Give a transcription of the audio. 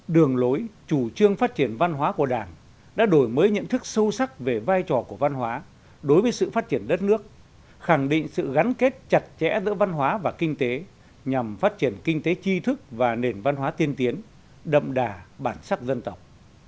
đường lối chủ trương phát triển văn hóa của đảng đã đổi mới nhận thức sâu sắc về vai trò của văn hóa đối với sự phát triển đất nước khẳng định sự gắn kết chặt chẽ giữa văn hóa và kinh tế nhằm phát triển kinh tế chi thức và nền văn hóa tiên tiến đậm đà bản sắc dân tộc